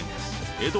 江戸